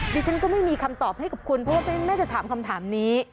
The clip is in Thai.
ดิฉันก็ไม่มีคำตอบให้กับคุณเพราะว่าแม่จะถามคำถามนี้